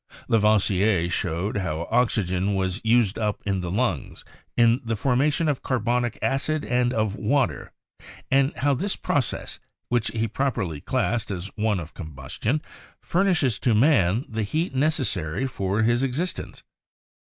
Lavoisier showed how oxygen was used up in the lungs, in the formation of carbonic acid and of water, and how this process, which he properly classed as one of combustion, furnishes to man the heat necessary for his existence.